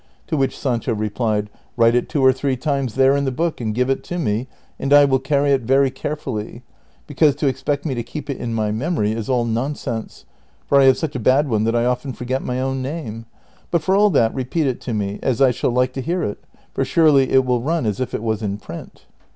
To which Sancho replied, " Write it two or three times tnere in the book and give it to me, and I will carry it very carefully, because to expect me to keep it in my memory is all nonsense, for I have such a bad one that I often forget my owii name ; but for all that repeat it to me, as I shall like to hear it, for surely it will run as if it was in print."